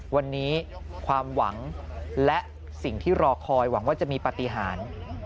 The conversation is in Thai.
วันนี้ความหวังและสิ่งที่รอคอยหวังว่าจะมีปฏิหาร